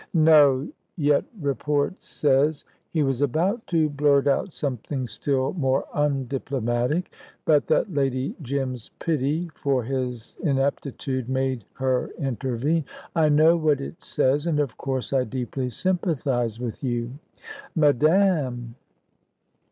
"No! Yet report says " He was about to blurt out something still more undiplomatic, but that Lady Jim's pity for his ineptitude made her intervene. "I know what it says, and of course I deeply sympathise with you." "Madame!"